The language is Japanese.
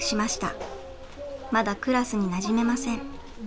まだクラスになじめません。